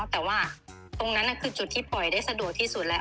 แต่ว่าตรงนั้นคือจุดที่ปล่อยได้สะดวกที่สุดแล้ว